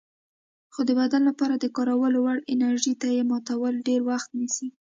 خو د بدن لپاره د کارولو وړ انرژي ته یې ماتول ډېر وخت نیسي.